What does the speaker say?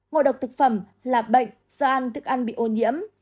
ngộ độc thực phẩm là bệnh do ăn thức ăn bị ô nhiễm